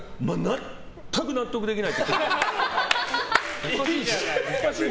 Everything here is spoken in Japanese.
全く納得できないって。